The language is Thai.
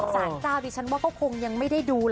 สารเจ้าดิฉันว่าเขาคงยังไม่ได้ดู